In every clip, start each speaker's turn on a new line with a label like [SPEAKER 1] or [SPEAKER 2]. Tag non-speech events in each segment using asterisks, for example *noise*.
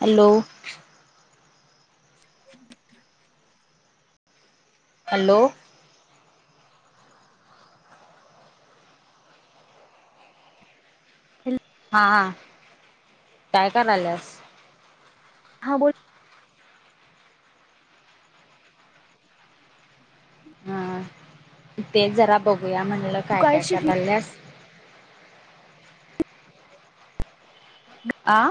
[SPEAKER 1] Hello.
[SPEAKER 2] *inaudible*
[SPEAKER 1] Hello.
[SPEAKER 2] Hello
[SPEAKER 1] हा हा काय कराल्यास
[SPEAKER 2] हा बोल तू
[SPEAKER 1] हा ते जरा बघूया म्हणलं, काय काय करायल्यास
[SPEAKER 2] *unintelligible*
[SPEAKER 1] आ.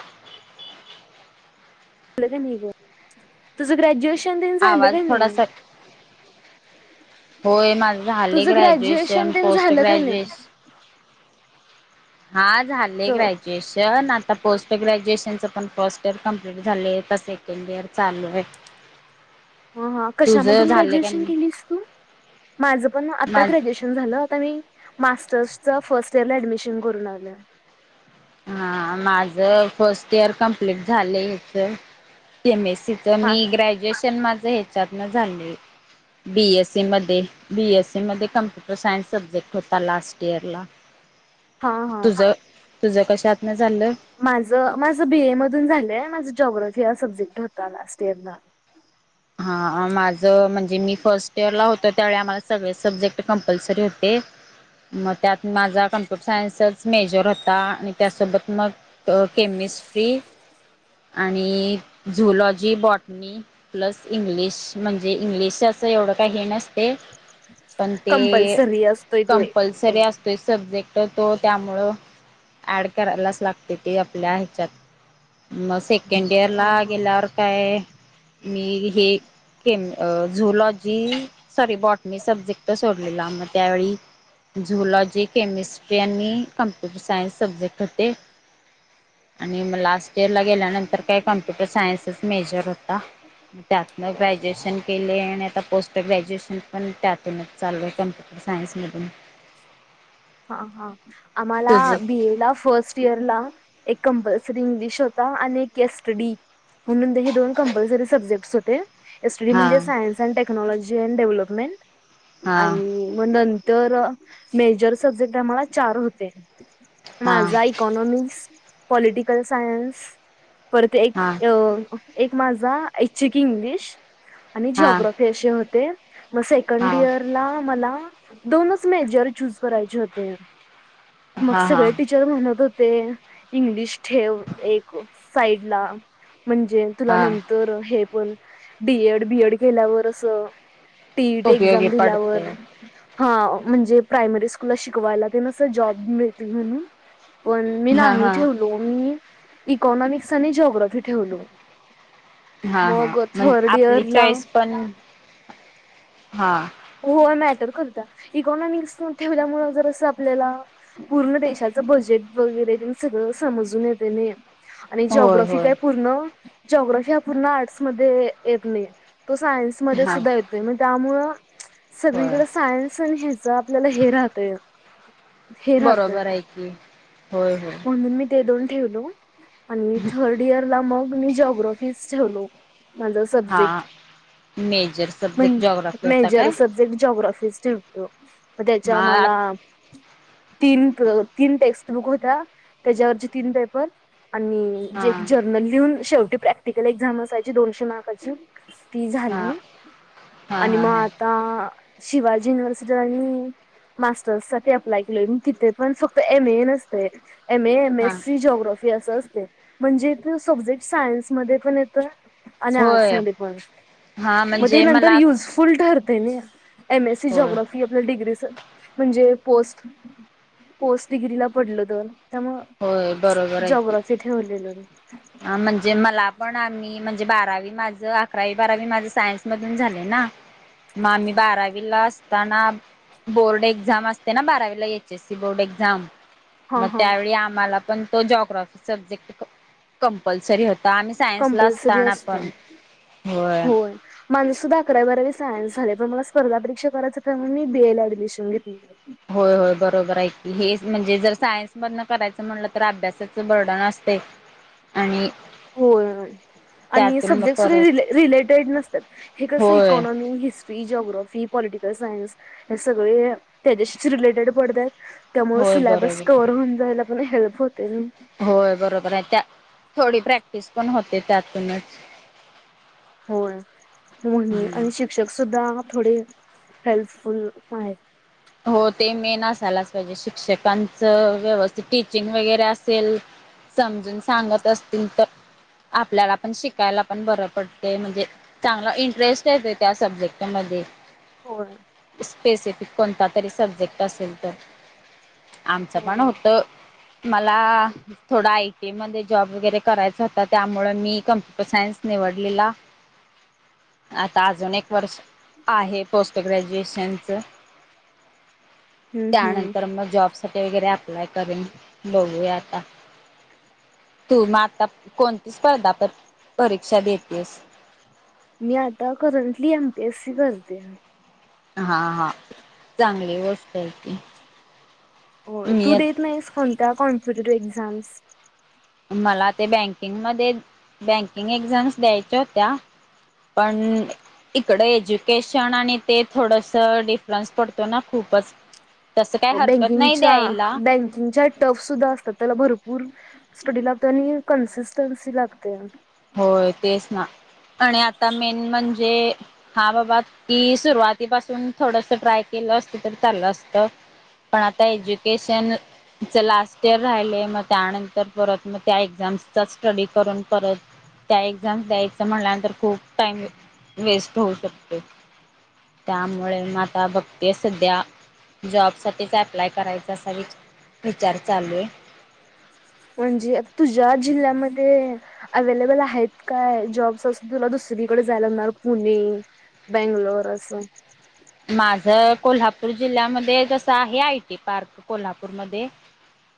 [SPEAKER 2] झालं का नाही गं. तुझं ग्रॅज्युएशन तेन झालं
[SPEAKER 1] आवाज
[SPEAKER 2] का नाही.
[SPEAKER 1] थोडासा होय माझं झालं
[SPEAKER 2] तुझं
[SPEAKER 1] ग्रॅज्युएशन,
[SPEAKER 2] तेन
[SPEAKER 1] पोस्ट
[SPEAKER 2] झालं का नाही
[SPEAKER 1] ग्रॅज्युएशन हा
[SPEAKER 2] च
[SPEAKER 1] झालय ग्रॅज्यू एशन. आता पोस्ट ग्रॅज्युएशनचं पण फर्स्ट इयर कंप्लीट झाले आहे तर सेकंड इयर चालू आहे. *unintelligible*
[SPEAKER 2] हा हा
[SPEAKER 1] तुझं
[SPEAKER 2] कशामधून
[SPEAKER 1] झालं का
[SPEAKER 2] ग्रॅज्युएशन
[SPEAKER 1] नाही
[SPEAKER 2] केलीस तू? माझ पण आता
[SPEAKER 1] माझ
[SPEAKER 2] ग्रॅज्युएशन झालं. आता मी मास्टर्स फर्स्ट इअर ला ऍडमिशन करून आलं.
[SPEAKER 1] हा माझ फर्स्ट इयर कम्प्लीट झालं हेच एम ए सी. तर
[SPEAKER 2] हा
[SPEAKER 1] मी ग्रॅज्युएशन माझं ह्याच्यातनं झाले. बी एस सी मध्ये बी एससी मध्ये कम्प्युटर सायन्स सब्जेक्ट होता लास्ट इयरला
[SPEAKER 2] हा
[SPEAKER 1] तुझ तुझ कशात न झाल?
[SPEAKER 2] माझ माझ बीए मधून झालंय. माझ जॉग्राफी हा सब्जेक्ट होता लास्ट इयरला.
[SPEAKER 1] हा माझं म्हणजे मी फर्स्ट इयर ला होतो. त्यावेळी, आम्हाला सगळे सब्जेक्ट कंपल्सरी होते. मग त्यात माझा कम्प्युटर सायन्सचाच मेजर होता आणि त्यासोबत मग केमिस्ट्री आणि झुलॉजी, बॉटनी प्लस इंग्लिश म्हणजे इंग्लिश असं एवढं काही हे नसते. पण ते
[SPEAKER 2] कंपल्सरी असतोय तो एक
[SPEAKER 1] कंपल्सरी असतोय सब्जे क्ट तो त्यामुळं ॲड करायलाच लागते ते आपल्या ह्याच्यात म सेकंड इयर ला
[SPEAKER 2] हा
[SPEAKER 1] आ
[SPEAKER 2] हा
[SPEAKER 1] गेल्यावर काय मी हे chem zoology sorry botany subject सोडलेला मग त्यावेळी, झूलॉजी, केमिस्ट्री आणि कम्प्युटर सायन्स सब्जेक्ट होते. आणि मग लास्ट इयर ला गेल्यानंतर काय कम्प्युटर सायन्सच मेजर होता. मग ग्रॅज्युएशन केले आणि आता पोस्ट ग्रॅज्युएशन पण त्यातुनचं चालू आहे कम्पुटर सायन्स मधून
[SPEAKER 2] हा हा आम्हाला
[SPEAKER 1] तुझ
[SPEAKER 2] बीए ला फर्स्ट इयरला एक कंपल्सरी इंग्लिश होता आणि एक केस स्टडी म्हणून ते हे दोन कंपल्सरी सब्जेक्टस होते. एसटीडी
[SPEAKER 1] हा
[SPEAKER 2] म्हणजे science and technology and development
[SPEAKER 1] हा
[SPEAKER 2] आणि मग तर मेजर सब्जेक्ट मला चार होते
[SPEAKER 1] हा
[SPEAKER 2] माझा इकॉनॉमिक्स पॉलिटिकल सायन्स परत ते एक
[SPEAKER 1] हा
[SPEAKER 2] ये एक माझा ऐच्छिक इंग्लिश आणि
[SPEAKER 1] हा
[SPEAKER 2] जिओग्रफी असे होते. सेकड
[SPEAKER 1] हा
[SPEAKER 2] इयरला मला दोनच मेजर चूज मॅनेज होतोया हो मग
[SPEAKER 1] हा हा
[SPEAKER 2] सगळ्या टीच र म्हणत होते इंग्लिश ठेव एक साईड ला म्हणजे तुला
[SPEAKER 1] हा
[SPEAKER 2] नंतर हे पण बीएड बीएड केल्यावर अस टीईटी
[SPEAKER 1] उपयोगी
[SPEAKER 2] एक्झाम
[SPEAKER 1] पडते.
[SPEAKER 2] दिल्यावर हा म्हणजे प्रायमरी स्कूलला शिकवायला तेनास जॉब मिळतील म्हणून पण मी
[SPEAKER 1] हा
[SPEAKER 2] नाही
[SPEAKER 1] हा
[SPEAKER 2] ठेवलो मी इकॉनॉमिक्स आणि जिओग्राफी ठेवलो.
[SPEAKER 1] हा हा
[SPEAKER 2] मग
[SPEAKER 1] म्हण
[SPEAKER 2] थर्ड
[SPEAKER 1] आपली
[SPEAKER 2] इयर ला
[SPEAKER 1] चॉईस पण हा
[SPEAKER 2] हो मॅटर करता इकॉनॉमिक्स न ठेवल्यामूळ जर असं आपल्याला पूर्ण देशाचं बजेट वगैरे सगळं समजून येते नाही आणि
[SPEAKER 1] होय
[SPEAKER 2] जिओग्राफी
[SPEAKER 1] होय
[SPEAKER 2] काय पूर्ण जिओग्राफी हा पूर्ण आर्ट्समध्ये येत नाही तो सायन्समध्ये
[SPEAKER 1] हा
[SPEAKER 2] सुद्धा येतो नाही मण त्यामुळ
[SPEAKER 1] होय
[SPEAKER 2] सगळीकडे सायन्स आणि ह्याच आपल्याला हे राहतय हे राहतय
[SPEAKER 1] बरोबर आहे की होय होय
[SPEAKER 2] म्हून मी ते दोन ठेवलो आणि थर्ड इयर ला मग मी जॉग्राफीच ठेवलो. माझा
[SPEAKER 1] हा
[SPEAKER 2] सब्जेक्ट
[SPEAKER 1] मेजर सब्जेक्ट
[SPEAKER 2] म्हण
[SPEAKER 1] जॉग्राफी होता काय?
[SPEAKER 2] सबजेक्ट जिओग्राफी ठेवलं मग त्याच्या
[SPEAKER 1] हा
[SPEAKER 2] मला तीन तीन टेस्ट बुक होत्या त्याच्यावरची तीन पेपर आणि
[SPEAKER 1] हा
[SPEAKER 2] जे ग लिहून शेवटी प्रॅक्टिकल एक्झाम असायची दोनशे मार्काची ती
[SPEAKER 1] हा
[SPEAKER 2] झाली.
[SPEAKER 1] हा
[SPEAKER 2] आणि
[SPEAKER 1] हा
[SPEAKER 2] मग
[SPEAKER 1] हा
[SPEAKER 2] आता शिवाजी युनिव्हर्सिटी आणि मास्टर्स साठी अप्लाय केलीय म तिथे पण फक्त एम ए नसते. एम ए एम
[SPEAKER 1] हा
[SPEAKER 2] एस सी जिओग्राफी असं असते म्हणजे सब्जेक्ट सायन्समध्ये पण येतो. आणि आर्ट्स
[SPEAKER 1] होय
[SPEAKER 2] मध्ये पण
[SPEAKER 1] हा
[SPEAKER 2] मग ते
[SPEAKER 1] म्हणजे
[SPEAKER 2] नंतर
[SPEAKER 1] मला
[SPEAKER 2] युज फुल ठरते एमएस सी
[SPEAKER 1] होय
[SPEAKER 2] जिओग्राफी आप डिग म्हणजे प पोस्ट डिग्रीला पडल तर
[SPEAKER 1] होय बरोबर
[SPEAKER 2] त्यामुळे
[SPEAKER 1] आहे की
[SPEAKER 2] जिओग्राफी ठेवलेलो
[SPEAKER 1] म्हणजे मला पण आम्ही म्हणजे बारावी माझं अकरावी बारावी माझ सायन्स मधून झाले ना.. मग आम्ही बारावीला असताना. बोर्ड एक्झाम असते ना बारावीला एच एससी बोर्ड एक्झाम
[SPEAKER 2] हा
[SPEAKER 1] मग
[SPEAKER 2] हा
[SPEAKER 1] त्यावेळी आम्हाला पण तो जिओग्राफी सब्जेक्ट कंपल्सरी होता आम सायन्स ला
[SPEAKER 2] कंपल्सरी
[SPEAKER 1] असताना पण
[SPEAKER 2] असतं
[SPEAKER 1] होय.
[SPEAKER 2] माझे सुद्धा अकरावी बारावी सायनस झाले पण मला स्पर्धा परीक्षा करायच त्यामुळे मी बीए ला ऍडमिशन घेतले.
[SPEAKER 1] होय होय बरोबर आहे ऐक हे म्हणजे जर सायन्स मधन करायचं म्हणलं तर अभ्यासाचं बर्डन असते. आणि
[SPEAKER 2] होय आणि
[SPEAKER 1] त्यातून मग
[SPEAKER 2] सब्जेक्टसद्ध
[SPEAKER 1] परत
[SPEAKER 2] र रिलेटेड नसतात हे कसं
[SPEAKER 1] होय
[SPEAKER 2] इकॉनॉमी हिस्ट्री वी जोग्राफी, पॉलिटिकल सायन्स हे सगळे त्याच्याशीच रिलेटेड पडताय. त्यामुळे
[SPEAKER 1] होय
[SPEAKER 2] सिलाबस
[SPEAKER 1] बरोबर
[SPEAKER 2] कव्हर होऊन जायला पण हेल्प होते ना.
[SPEAKER 1] होय बरोबर आहे त्या, थोडी प्रॅक्टिस पण होते त्यातूनच.
[SPEAKER 2] होय म्हणून
[SPEAKER 1] हम्म
[SPEAKER 2] आणि शिक्षक सुद्धा थोडे हेल्पफुल आहेत.
[SPEAKER 1] हो ते मेन असायलाच पाहिजे, शिक्षकांचं व्यवस्थित टीचिंग वगैरे असेल. समजून सांगत असतील तर आपल्याला पण शिकायला पण बरं पडते म्हणजे. चांगला इंटरेस्ट येत ये त्या सब्जेक्टमध्ये.
[SPEAKER 2] होठ.
[SPEAKER 1] स्पेसिफिक कोणता तरी सब्जेक्ट असेल तर. आमचं पण
[SPEAKER 2] होय
[SPEAKER 1] होत मला थोडा आयटी मध्ये जॉब वगैरे करायचा होता त्यामुळे मी कम्प्युटर सायन्स निवडलेला. आता अजून एक वर्ष आहे, पोस्ट ग्रॅज्युएशनच.
[SPEAKER 2] हम्म हम्म
[SPEAKER 1] त्यानंतर मग जॉबसाठी वगैरे अप्लाय करेन बघूया आता. तू मग आता कोणती स्पर्धा प-परीक्षा देतेयेस.
[SPEAKER 2] मी आता करंटली एमपीएस सी करते.
[SPEAKER 1] हा हा चांगली गोष्ट आहे ती
[SPEAKER 2] हो
[SPEAKER 1] मी
[SPEAKER 2] तू
[SPEAKER 1] एक.
[SPEAKER 2] देत नाहीस कोणत्या *unintelligible*
[SPEAKER 1] मला ते बँकिंगमध्ये बँकिंग एक्झाम्स द्यायच्या होत्या. पण इकडं एज्युकेशन आणि ते थोडंसं डिफरन्स पडतो ना खूपच. तसं काही हरकत नाही द्यायला.
[SPEAKER 2] ज्या टफ सुद्धा असतात त्याला भरपूर स्टडी लागते आणि ए कन्सिस्टन्सी लागते.
[SPEAKER 1] होय तेच ना आणि आता मेन म्हणजे. हा बाबा ती सुरुवातीपासून थोडस ट्राय केलं असत तरी चाललं असत. पण आता एज्युकेशन च लास्ट इयर राहिलय मग त्यानंतर परत मग त्या एक्झाम्सचा स्टडी करून परत त्या एक्झाम द्यायचं म्हनल्यानंतर खूप टाइम वेस्ट होऊ शकतो. त्यामुळे म आता बघते सध्या. जॉब साठीच अप्लाय करायचा असा विच-विचार चालू हे.
[SPEAKER 2] म्हणजे तुझ्या जिल्ह्यामध्ये. अव्हलेबल आहेत काय जॉब्स अस तुला दुसरीकडे जायला म पुणे. बेंगलोर अस.
[SPEAKER 1] माझ कोल्हापूर जिल्ह्यामध्ये जसं आहे आयटी पार्क कोल्हापूरमध्ये.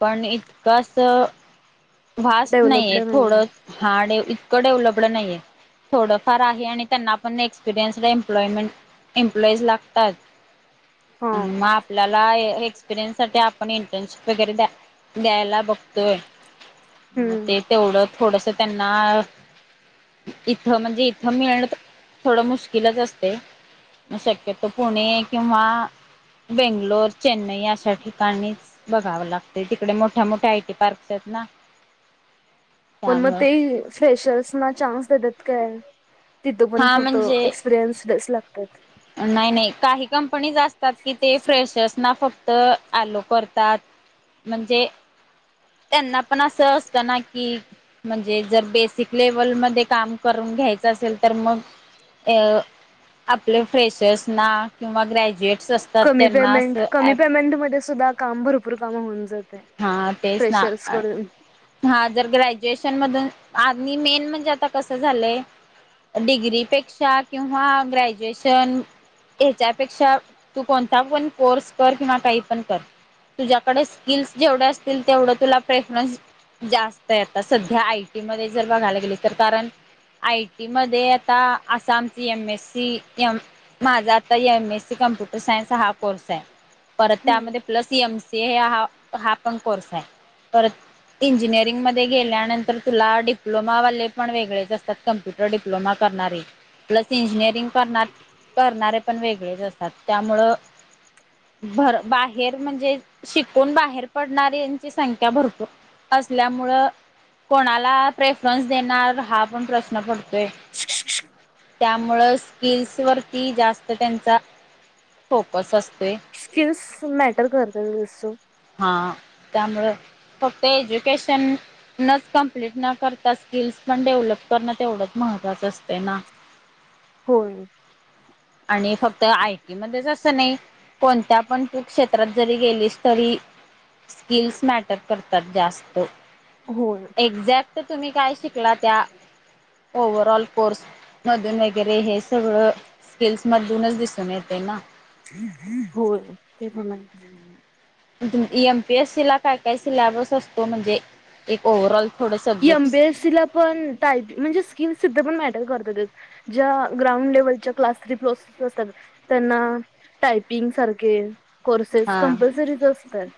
[SPEAKER 1] पण इतकंच. वास्ट
[SPEAKER 2] डेव्हलपड
[SPEAKER 1] नाहीये
[SPEAKER 2] नाही
[SPEAKER 1] थोडं हार्ड इतकं डेवलपड नाहीये. थोडंफार आहे आणि त्यांना पण एक्सपिरियन्स एम्प्लॉयमेंट एम्प्लॉईज लागतात
[SPEAKER 2] हा
[SPEAKER 1] आणि म आपल्याला एक्स एक्सपिरियन्ससाठी आपण इंटर्नशिप वगैरे द्या-द्यायला बघतोय. म
[SPEAKER 2] हम्म
[SPEAKER 1] ते तेवढं थोडस त्यांना इथं म्हणजे इथं मिळण त थोडं मुश्किलच असते. शक्यतो पुणे किंवा बेंगलोर, चेन्नई अशा ठिकाणीच. बघावं लागतं तिकडे मोठ्या, मोठ्या आयटी पार्कस हेत ना.
[SPEAKER 2] पण मग
[SPEAKER 1] त्यामुळं
[SPEAKER 2] ते फ्रेशर्स ना चान्स देतात काय तिथ पण
[SPEAKER 1] हा
[SPEAKER 2] फक्त एक्स
[SPEAKER 1] म्हणजे
[SPEAKER 2] एक्सपिरीयन्सड च लागतात.
[SPEAKER 1] नाही, नाही काही कंपनीज असतात की ते फ्रेशर्स ना फक्त आलो करतात. म्हणजे त्यांना पण असं असतं ना कि- म्हणजे जर बेसिक लेवलमध्ये काम करून घ्यायचं असेल तर मग, अ- आपले फ्रेशर्स ना किंवा ग्रॅज्युएट्स अस-
[SPEAKER 2] कमी पेमेंट, कमी पेमेंटमध्ये सुद्धा काम भरपूर काम होऊन जात.
[SPEAKER 1] हां. तेच ना. अ - हां. जर ग्रॅज्युएशन मधून, आ मेन म्हणजे आता कसं झालंय? डिग्रीपेक्षा किंवा ग्रॅज्युएशन- हेच्यापेक्षा तू कोणता पण कोर्स कर किंवा काही पण कर. तुझ्याकडे स - स्किल्स जेवढे असतील तेवढं तुला प्रेफरन्स- जास्त आहे. आता सध्या आय टी मध्ये जर बघायला गेले तर कारण- आय टीमध्ये आता आसामची एम एस सी, एम- माझा आता M S C computer science हा कोर्स आहे. परत
[SPEAKER 2] हम्म
[SPEAKER 1] त्यामध्ये प्लस एम सी ए हा हा पण कोर्स आहे. परत- इंजिनिअरिंगमध्ये गेल्यानंतर तुला डिप्लोमावाले पण वेगळेच असतात. कम्प्युटर डिप्लोमा करणारे. प्लस इंजिनिअरिंग करणार- करणारे पण वेगळेच असतात त्यामुळं- भर बाहेर म्हणजे शिकून बाहेर- -हेर पडणाऱ्यांची संख्या भरपूर असल्यामुळ - कोणाला प्रेफरन्स देणार हा पण प्रश्न पडतोय. त्यामुळ स्किल्स वरती जास्त त्यांचा- फोकस असते.
[SPEAKER 2] स्किल्स मॅटर करत. *unintelligible*
[SPEAKER 1] हां. त्यामुळं फक्त एज्युकेशन- नच कंप्लीट न करता स्किल्स पण डेव्हलप करणं तेवढंच महत्त्वाचं असतय ना? सर् सर् सर्
[SPEAKER 2] होय.
[SPEAKER 1] आणि फक्त आय टी मध्येच असं नाही. कोणत्या पण तू क्षेत्रात जरी गेलीस तरी- स्किल्स मॅटर करतात जास्त.
[SPEAKER 2] हो.
[SPEAKER 1] एक्झॅक्ट तुम्ही काय शिकला त्या, ओव्हरऑल कोर्स- मधून वगैरे हे सगळं स्किल्स मधूनच दिसून येते ना?
[SPEAKER 2] हो. ते पण आहेच.
[SPEAKER 1] एम पी एस सी ला काय काय सिलॅबस असतो? म्हणजे एक ओव्हरऑल- थोडं
[SPEAKER 2] M P
[SPEAKER 1] subjects
[SPEAKER 2] S C ला पण, टाईप म्हणजे स्किल सुद्धा पण मॅटर करत ते. ज्या ग्राउंड लेव्हलच्या क्लास थ्री प्रोसेस असतात- त्यांना टायपिंग सारखे- कोर्सेस
[SPEAKER 1] हा
[SPEAKER 2] कम्पल्सरीचं असतात.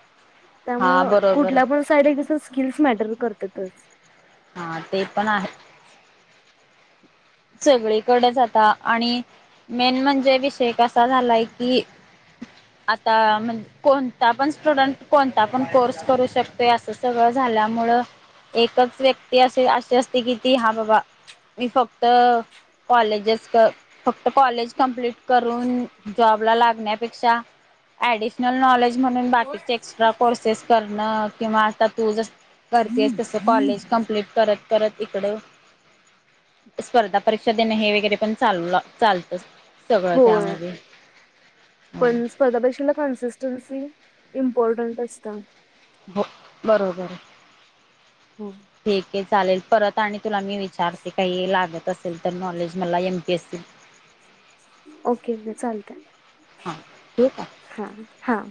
[SPEAKER 1] हा
[SPEAKER 2] त्यामुळं
[SPEAKER 1] बरोबर.
[SPEAKER 2] कुठल्या पण- साईड *unintelligible* स्किल्स मॅटर करतातच.
[SPEAKER 1] हां. ते पण आहे. सगळीकडेच आता, आणि मेन म्हणजे विषय कसा झालाय की- आता म्हण- कोणता पण स्टुडंट कोणता पण कोर्स करू शकतोय असं सगळं झाल्यामुळं- एकच व्यक्ती असे अशी असते की ती हा बाबा मी फक्त- कॉलेजच कर- फक्त कॉलेज कंम्प्लीट करून, जॉबला लागण्यापेक्षा ऍडिशनल नॉलेज म्हणून बाकीचे एक्स्ट्रा कोर्सेस करणं, किंवा आता तू जस करतीएस, तसं कॉलेज कंम्प्लीट करत-करत, इकडं स्पर्धा परीक्षा देणं, हे वगैरे पण चाल-चालतं.
[SPEAKER 2] होय,
[SPEAKER 1] हो
[SPEAKER 2] पण् स्पर्धा परीक्षेला कंसिस्टन्सी, इंपॉर्टन्ट असतं.
[SPEAKER 1] हो, बरोबर.
[SPEAKER 2] हम्.
[SPEAKER 1] ठीक ये चालेल, परत आणि तुला मी विचारते, काही लागत असेल तर नॉलेज, मला एमपीएस सी
[SPEAKER 2] ओके, मं चालतं,
[SPEAKER 1] हां ठीक आहे
[SPEAKER 2] हां हां.